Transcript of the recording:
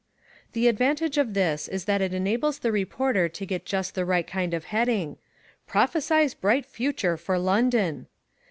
The advantage of this is that it enables the reporter to get just the right kind of heading: PROPHESIES BRIGHT FUTURE FOR LONDON.